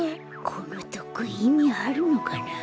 このとっくんいみあるのかな。